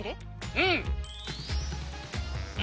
うん！